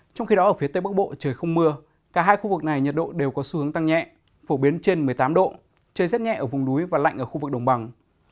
trong khi đó ở phía tây bắc bộ trời không mưa cả hai khu vực này nhiệt độ đều có xu hướng tăng nhẹ phổ biến trên một mươi tám độ trời rất nhẹ ở vùng núi và lạnh ở khu vực đồng bằng